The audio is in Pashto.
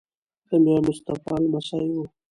د میا مصطفی لمسی وو.